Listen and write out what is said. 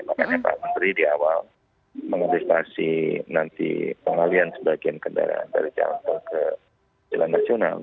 makanya pak menteri di awal mengantisipasi nanti pengalian sebagian kendaraan dari jalan tol ke jalan nasional